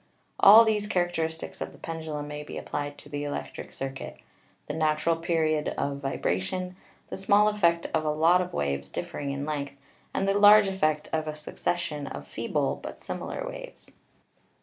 All these characteristics of the pendulum may be applied to the electric circuit — the natu ral period of vibration, the small effect of a lot of waves differing in length, and the large effect of a succession of feeble but similar waves.